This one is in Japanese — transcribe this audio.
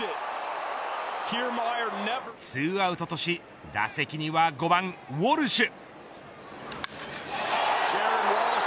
２アウトとし打席には５番ウォルシュ。